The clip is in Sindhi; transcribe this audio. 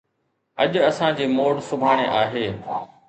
اڄ اسان جي موڙ سڀاڻي آهي